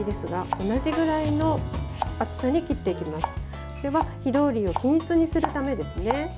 これは火通りを均一にするためですね。